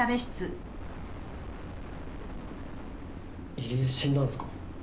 入江死んだんすか？